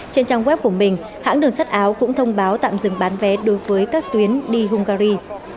trên trang web của mình hãng đường sắt áo cũng thông báo tạm dừng bán vé đối với các tuyến đi hungary